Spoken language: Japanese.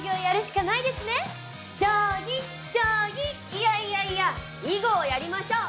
いやいやいや囲碁をやりましょう！